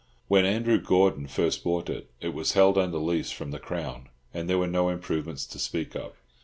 When Andrew Gordon first bought it, it was held under lease from the Crown, and there were no improvements to speak of.